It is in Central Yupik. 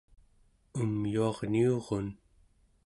umyuarniurun